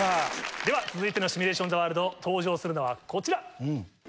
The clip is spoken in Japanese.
では続いての「シミュレーション・ザ・ワールド」登場するのはこちら。